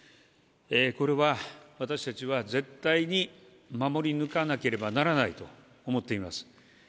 これは私たちは、絶対に守り抜かなければならないと思っています。